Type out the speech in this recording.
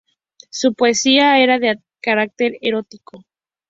Su poesía era de carácter erótico.